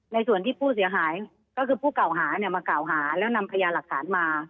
ในส่วนที่ผู้เสียหายก็คือผู้เก่าหาเนี่ยมากล่าวหาแล้วนำพยานหลักฐานมา